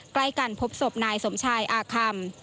ใกล้กันพบศพนายสมชายอาคัม